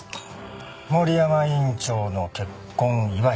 森山院長の結婚祝い。